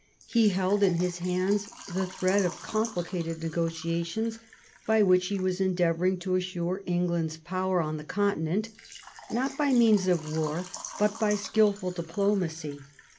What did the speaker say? He held in his hands the threads of complicated negotiations, by which he was endeavouring to assure England's power on the Continent, not by means of war but by skilful diplo macy.